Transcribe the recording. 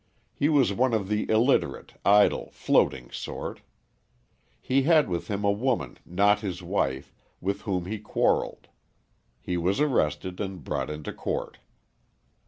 He was one of the illiterate, idle, floating sort. He had with him a woman not his wife, with whom he quarrelled. He was arrested and brought into court.